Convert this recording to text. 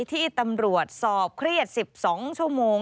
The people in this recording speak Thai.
ที่ตำรวจสอบเครียด๑๒ชั่วโมง